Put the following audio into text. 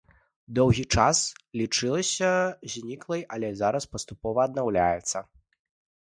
Доўгі час лічылася зніклай, але зараз паступова аднаўляецца.